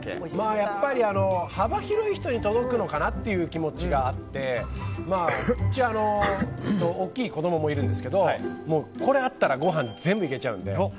やっぱり幅広い人に合うのかなという気持ちがあってうち、大きい子供もいるんですけど、これあったらご飯全部いけちゃうので。